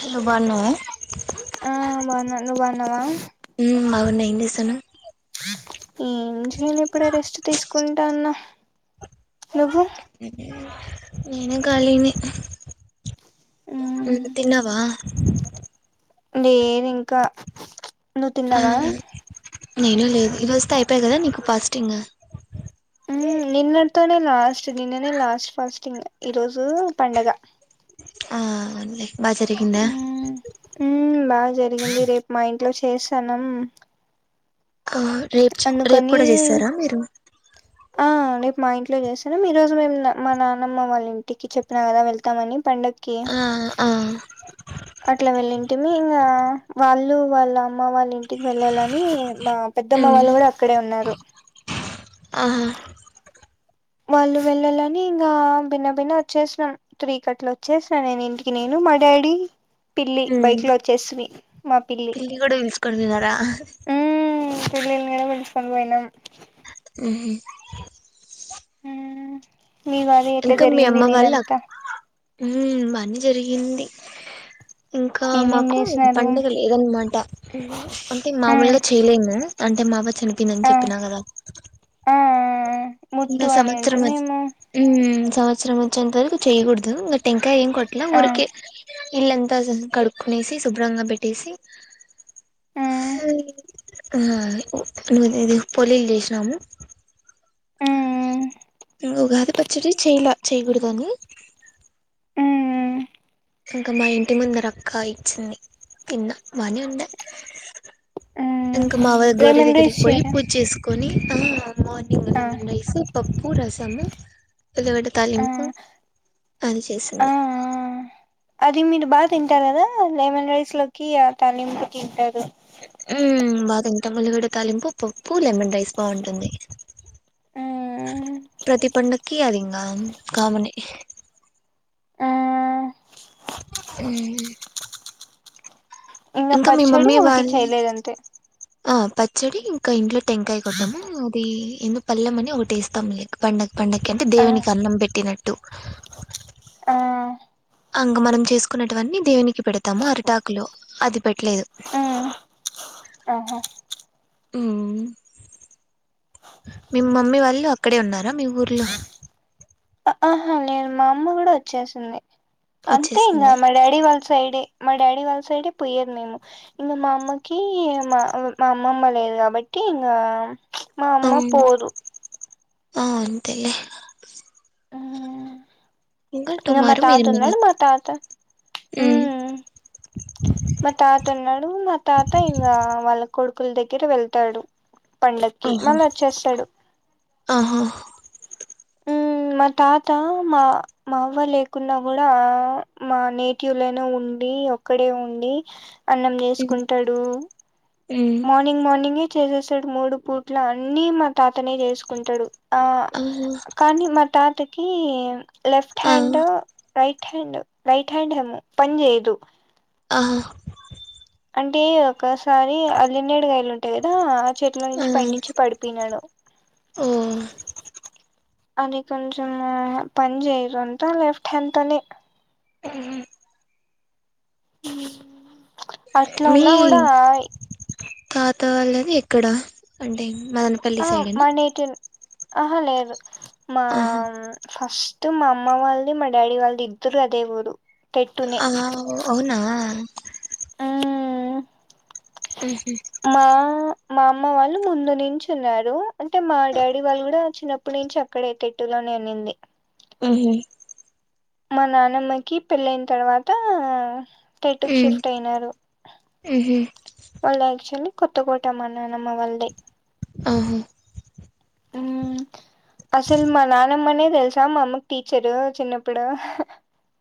hello బన్నవా ఆ బన నువ్ బన్నావా ఉమ్ బాగున్నా ఏం జెసన్నవ్ ఏం చేయలే ఇప్పుడే రెస్ట్ తీసుకుంటన్న నువ్వు నేను కాలినే ఊ మ్మ్ తిన్నావా లేదు ఇంకా నువ్వు ఆ తిన్నావా నేను లేదు ఈరోజ్ తో అయిపోయగా కదా నీకు ఫస్టింగు మ్మ్ నిన్నటితోనే లాస్ట్ నిన్ననే లాస్ట్ ఫస్టింగ్ ఈరోజు పండగ ఆ అవునులే బా జరిగిందా మ్మ్ మ్మ్ బాగా జరిగింది రేపు మా ఇంట్లో చేసనం కా అందుకని ఆ రేపు మా ఇంట్లో చేస్ అందరం ఈ రోజు మేము మా నాన్నమ్మ వాళ్ళ ఇంటికి చెప్పినా కదా వెళ్తామని పండగకి ఆ ఆ అట్లా వెళ్ళింటిమి ఇంకా వాళ్ళు వాళ్ళ అమ్మ వాళ్ళ ఇంటికి వెళ్ళాలని మా పెద్దమ్మ ఉమ్ వాళ్ళు కూడా అక్కడే ఉన్నారు ఆహా వాళ్ళు వెళ్ళాలని ఇంకా భిన్న భిన్న వచ్చేసినను త్రీ కట్ల వచ్చేసినను నేను ఇంటికి నేను మా డాడీ పిల్లి ఉమ్ బైక్ లో వచ్చేస్తది మా పిల్లి కూడా పిలుచుకొని పోయినారా ఊ పిల్లిని కూడా పెంచుకొని పోయినాం ఉహు ఊ మీ వారివి ఎట్ల జరిగింది నినంతా ఊ బానే జరిగింది ఇంకా ఏమేం మాకు చేసినారు పండగ లేదన్నమాట ఊ అంటే ఉమ్ మామూలుగా చేయలేము గా అంటే మా అవ్వ చనిపోందని ఆ చెప్పినా కదా ఆ ఇంగ ముట్టు అని సంవత్సరం మద్ ఉంటుందేమో హుమ్ సంవత్సరం వచ్చేంత వరకు చేయ్యకూడదు ఇంకా టెంకాయ ఏం కొట్టలే ఆ ఊరికే ఇల్లంతా స్ కడుక్కుొనేసి శుభ్రంగా పెట్టేసి ఉమ్ ఆ ను వ్ ఇది పొలీలు చేసినాము ఉమ్ ఉగాది పచ్చడి చెయలా చేయకూడదని ఉమ్ ఇంకా మా ఇంటి ముంద రక్క ఇచ్చింది కింద బానే ఉండాయ్ ఇంకా మా అవ్వ గోరి లెమన్ దగ్గరికి రైస్ పోయి చేయరా పూజ చేసుకొని ఆ మార్నింగ్ ఆ ఏమన్ రైస్ పప్పు రసము ఏళ్ళిగడ్డ తాలింపు ఆ అది ఆ చేసింది అది మీరు బాగా తింటారు కదా లెమన్ రైస్ లోకి ఆ తాలింపు తింటారు హుమ్ బా తింటాం ఉల్లిగడ్డ తాలింపు ప్ ప్పు లెమన్ రైస్ బాగుంటుంది మ్మ్ ప్రతి పండక్కి అదిం ఆ కామనే ఆ హుమ్ ఇంగ పచ్చడి మమ్మీ ఒటి వాళ్ళు చేయలేదంతే ఆ పచ్చడి ఇంకా ఇంట్లో టెంకాయ కొట్టాము అది ఏమో పల్లెం అని ఒకటిేస్తాము లైక్ పండ పండక్కి అంటే ఆ దేవునికి అన్నం పెట్టినట్టు ఆ అంగ మనం చేసుకున్నటువన్నీ దేవునికి పెడతాము అరిటాకు లో అది పె ట్లేదు మ్మ్ ఆహా హుమ్ మీ మమ్మీ వాళ్ళు అక్కడే ఉన్నారా మీ ఊర్లో ఆ ఆహా లేరు మా అమ్మ కూడా వచ్చేసింది అంతే ఇంగ వచ్చేసింది మ డాడి వాళ్ళ సైడే మా డాడీ వాళ్ళ సైడే పోయ్యేది మేము ఇంగ మా అమ్మకి మా మా అమ్మమ్మ లేదు కాబట్టి ఇంగ మా అమ్మా పోదు ఆ అంతె లే ఇంగ మ టుమారో మీరు మన తాతున్నాడు మా తాత మ్మ్ మా తాతున్నాడు మా తాత ఇంగ వాళ్ళ కొడుకుల దగ్గర వెళ్తాడు పండక్కి మళ్ళ వచ్చేస్తాడు ఆహ హుమ్ మా తాత మా మా అవ్వ లేకున్నా కూడా మా నేటివ్లనే ఉన్ ఉండి ఒక్కడే ఉండి అన్నం మ్మ్ చేసుకుంటాడు మ్మ్ మార్నింగ్ మార్నింగే చేసేసాడు మూడు పూట్ల అన్నిీ మ తాతనే చేసుకుంటాడు ఆ ఆహా కానీ మా తాతకి లెఫ్ట్ ఆ hand right hand right hand ఏమో పని చేయదు ఆహ అంటే ఒక్కసారి అల్లినేడుగాయలు ఉంటాయి కదా ఆ చెట్ల ఆ నుంచి పైనించి పడిపోయినాడు ఓ అది కొంచెం పని చేయరంత లెఫ్ట్ హ్యాండ్ తోనే మ్ హు అట్లా మీ ఉన్నా కూడా తాత వాళ్ళది ఎక్కడ అంటే మదనపల్లి ఆ సైడేనా మా నేటి ఆహా లేదు మా ఆహా ఫస్ స్ట్ మా అమ్మ వాళ్ళది మా డాడీ వాళ్ది ఇద్దరు అదే ఊరు టెట్టునే ఆ అవునా ఉహు మా మా అమ్మ వాళ్ళు ముందు నించి ఉన్నారు అంటే మా డాడీ వాళ్ళు కూడా చిన్నప్పటి నుంచి అక్కడే తేట్టులో ననింది ఉహు మా నానమ్మకి పెళ్ళైన్ తర్వాతా టెట్టు ఉమ్ షిఫ్ట్ అయినారు ఉహు వాళ్లు యాక్చువల్లీ కొత్తకోట మాన్నానమ్మ వాళ్దే ఆహ ఉమ్ అస్సల్ మా నానమ్మనే దెల్సా మా అమ్మకి టీచరు చిన్నప్పుడు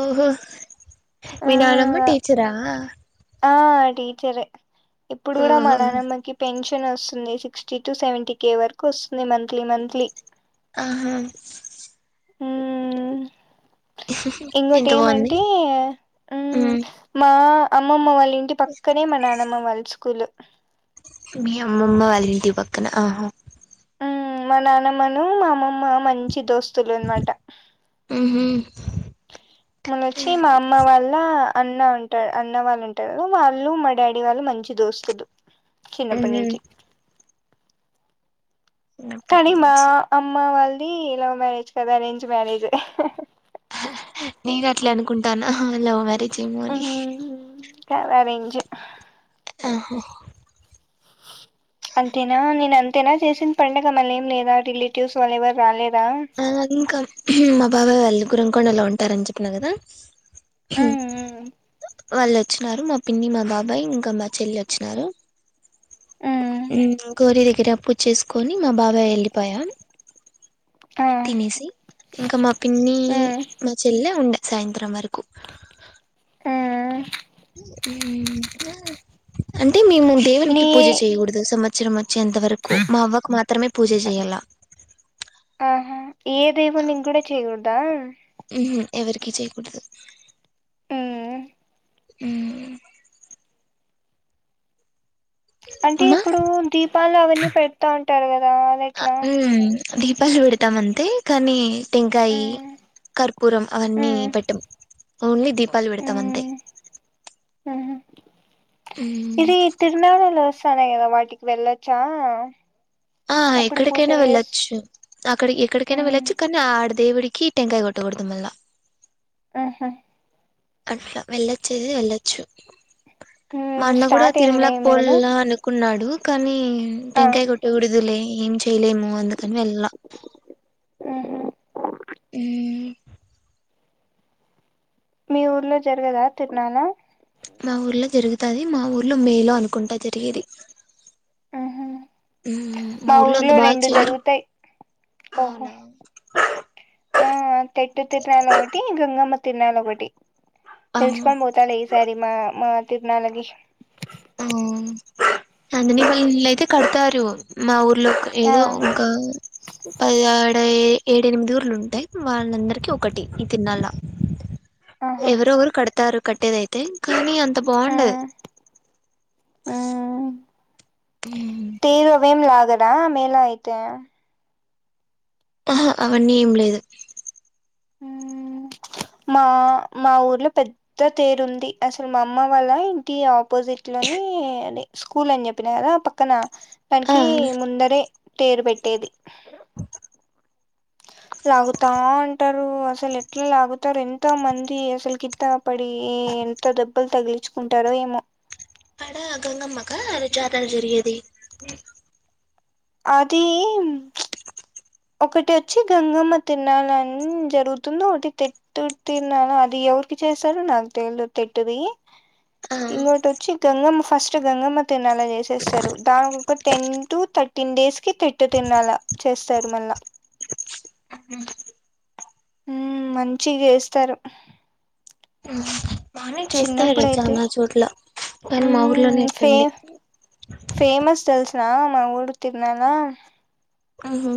ఓహో ఆ మీ నానమ్మ టీచరా ఆ టీచర్ ఏ ఇప్పుడు కూడా మా ఓహో నానమ్మకి పెన్షన్ సిక్స్టీటు సెవెంటీ కే వరకు వస్తుంది మంత్లీ మంత్లీ ఆహ ఉమ్ ఇంకోటి ఎంత బాగుంది ఏమంటే ఉమ్ మా అమ్మమ్మ వాళ్ళ ఇంటి పక్కనే మా నానమ్మ వాళ్ళు స్కూల్ మీ అమ్మమ్మ వాళ్ళింటి పక్కన ఆహ ఉమ్ మా నానమ్మను మా అమ్మమ్మ మంచి దోస్తు లు అన్మాట ఉహు మన్నొచ్చి మా అమ్మ వాళ్ళ అన్నా ఉంటాడ్ అన్న వాళ్ళు ఉంటారు వాళ్ళు మా డాడీ వాళ్ళు మంచి దోస్తులు ఉహు చిన్నప్పన్నించి చిన్నప్పటి కానీ మా నుంచి అమ్మ వాళ్ది లవ్ మ్యారేజ్ కద అరేంజ్ మ్యారేజు నేను అట్లే అనుకుంటానా లవ్ మ్యారేజ్ ఏమో అని కవరెంజ్ అహా అంతేనా నిన్న అంతేనా చేసింది పండగ మళ్ళ ఏం లేదా రిలేటివ్స్ వాళ్ళు ఎవరు రాలేదా ఆ ఇంకా మా బాబాయ్ వాళ్ళు గుర్రంకొండ లో ఉంటారని చెప్పిన గదా ఆ హు వాళ్ళు వచ్చినారు మా పిన్ని మా బాబాయ్ ఇంకా మా చెల్లె వచ్చినారు ఉమ్ గోరీ దగ్గర అప్పు చేసుకొని మా బాబాయ్ యెళ్ళిపాయా తినేసి ఇంకా మా పిన్ని మా చెల్లె ఉండ సాయంత్రం వరకు ఊమ్ అంటే మేము నీ దేవునికి పూజ చేయగూడదు సంవత్సరం ఎంతవరకు మా అవ్వకు మాత్రమే పూజ జేయాల ఆహా ఏ దేవునింగ్ కూడా చేయకూడదా ఉమ్ హూ ఎవరికి చేయకూడదు ఉమ్ ఉమ్ అంటే మా ఇప్పుడు దీపాలు అవన్నీ పెడతా ఉంటారు కదా అది ఆ ఎట్లా ఉం దీపాలు పెడతాం అంతే కానీ టెంకాయి కర్పూరం అవన్నీ పెట్టం ఓన్లీ దీప్ పలు పెడతం అంతే పదేకదా బయటకి వెళ్ళచ్చా ఆ ఎక్కడికైనా వెళ్ళొచ్చు అక్కడి ఎక్కడికైనా వెళ్ళొచ్చు కానీ ఆడ దేవుడికి టెంకాయ గొట్టగూడదు మళ్ళా ఊహు అట్లా వెళ్ళచ్చే వెళ్ళచ్చు మా అన్న కూడా స్టార్ట్ తిరుమలకి అయినాయేమో కదా పోల్లా అనుకున్నాడు కానీ ఆ టెంకాయ కొట్టి లే ఏం చేయలేము అందుకని వెళ్ళ మీ ఊర్లో జరగదా తిరునాలా మా ఊర్లో జరుగుతాది మా ఊర్లో మేలో అనుకుంటా జరిగేది ఉమ్, మా అంత ఊర్లో బాగా రెండు చెయ్యరు జరుగుతాయి ఓహో అవునా ఆ తెట్టు తిర్నాల్ ఒకటి గంగమ్మ తిరునాల్ ఒకటి ఆ పిలిచుకొని పోతాలే ఈసారి మా మా తిరునాలకి ఓ నందిని వా లిల్లయితే కడుతారు మా ఊరు లో ఆ ఏదో వొంక పది ఏ ఏడు ఎనిమిది ఊర్లు ఉంటాయి వాళ్ళందరికీ ఒకటి ఈ తీర్న ల ఆహా ఎవరవరు కడతారు కట్టేదయితే కానీ అంత బాగుండదు ఆ టీలు అవేం దాగరు ల మేల అయితే ఆహా అవన్నీ ఏం లేదు మా మా ఊర్లో పెద్ద తేరు ఉంది అసలు మా అమ్మ వాళ్ళ ఇంటి అపోజిట్ లోని స్కూల్ అని చెప్పిన కదా పక్కన ఆ దానికి ముందరే తేరు పెట్టేది లాగుతా ఉంటారు అసలు ఎట్లా లాగుతారు ఎంతో మంది అసలు కింద పడి ఎంత దెబ్బలు తగిలించుకుంటారో ఏమో అక్కడ గంగమ్మక ఆడ జాతర జరిగేది అది ఒకటి వచ్చి గంగమ్మ తిర్నాల్ అన్ జరుగుతుంది ఒకటి తేట్టు తిర్నాల్ అది ఎవరికి చేసారో నాకు తేల్ద్ తెట్టుది ఆ ఇంకోటి వచ్చి గంగమ్మ ఫస్ట్ గంగమ్మ తిర్నాల్ లా చేసేస్తాడు దానికి ఒక టెన్ టు థర్టీన్ డేస్ కి తిట్టు తీర్నాల చేస్ తరు మల్ల ఉ మంచి చేస్తారు అనీ చేస్తారు తెల్సా చిన్నప్పుడైతే చాలా చోట్ల కానీ మా మ్మ్ ఊర్లోనే ఫే ఇట్లుంది ఫేమస్ తెల్సున మా ఊరు తిరునాల ఆహు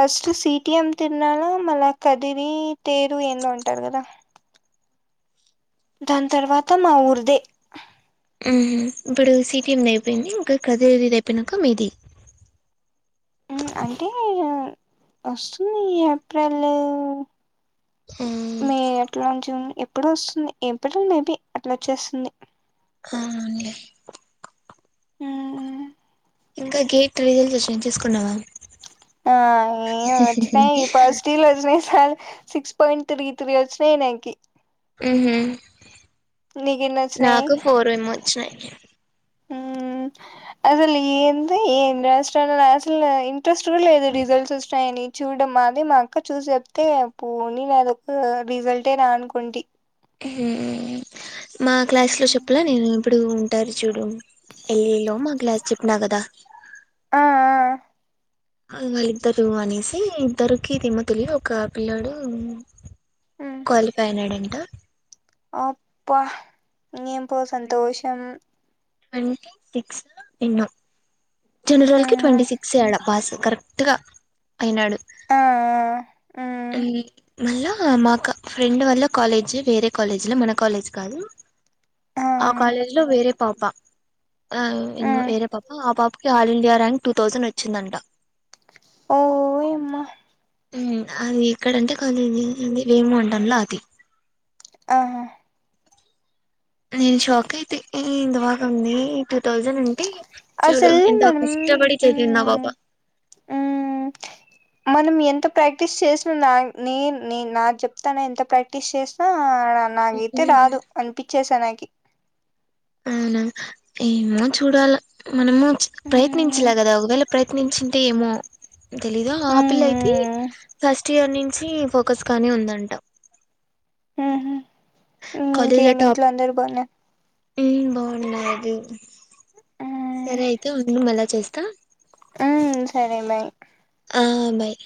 ఫస్ట్ సిటిఎం తిర్నాల మళ్ళ కదిరి తేరు ఏందో ఉంటారు కదా దాని తర్వాత మా ఊర్దే ఇప్పుడు సిటిఎం అయిపోయింది ఇంకా కదిరిది అయిపోయినాక మీది అంటే ఇగ వస్తుంది ఏప్రిల్ ఆ మే అట్లా జూన్ ఇప్పుడు వస్తుంది ఎప్పుడో మేబి అట్లా వచ్చేస్తుంది అవునులే హ ఇంకా గేట్ రిజల్ట్స్ వచ్చినై చుసుకున్నావా ఆ ఏం వచ్చినాయి ఈ పాజిటివ్ల్ వచ్చినయి సాలు సిక్స్ పాయింట్ త్రీ త్రీ వచ్చినై నాకి ఉహు నీకెన్ని వచ్చినాయి నాకు ఫోరేమో వచ్చినాయి ఉమ్ అసలు ఏంద ఏం రాసినల్ అసలు ఇంట్రెస్ట్ కూడా లేదు రిజల్ట్స్ వస్తాయని చూడ మాది మా అక్క చూసి చెప్తే పోనీగా అదొక రిజల్టే రా అనుకుంటి మా క్లాస్ లో చెప్పలా నేను ఎప్పుడు ఉంటారు చూడు యెల్ ఎ మా క్లాస్ చెప్పినా కదా ఆ ఆ వాళ్ళిద్దరు అనేసి ఇద్దరుకి దేమో తెలి ఒక పిల్లాడు క్వాలిఫై అయినాడంట అప్పా నియంపో సంతోషం ట్వంటీ టిక్స్ విను జనరల్ కి మ్మ్ ట్వంటీ సిక్స్ అడా పాస్ కరెక్ట్ గా అయినాడు ఆ మ్మ్ మళ్ళా మాకు ఫ్రెండ్ వల్ల కాలేజీ వేరే కాలేజీలో మన కాలేజ్ కాదు ఆ కాలేజ్ లో వేరే పాప ఇ మ్మ్ వేరే పాప ఆ పాపకి all India rank two thousand వచ్చిందంట ఓ యమ్మా అది ఇక్కడంటే కానీ ఏమ అంటనులో అది ఆహా నేన్షాక్ అయితే ఇ దవ నీ ట్రిప్ థౌజండ్ ఉంటే చూడు అసలు ఎంత మనం కష్టపడి చదిందా బాబా మన ప్రాక్టీస్ చేసినా నా నేను నే నాకు చెప్తాను ఎంత ప్రాక్టీస్ చేసినా నాగైతే రాదు అనిపించేసా నా అవునా ఏమో చూడాల మనము మ్మ్ ప్రయత్నించలే కదా ఒకవేళ ప్రయత్నించి ఏమో తెలీదు ఆపిల్ అయితే మ్మ్ ఫస్ట్ ఇయర్ నుంచి ఫోకస్ గానే ఉందంటా ఇంకేమి ఇంట్లో అందరుూ బాన్న బాగున్నాడు సరే అయితే ఉండు మలా చేస్తా ఉ సరే మ ఆ బాయ్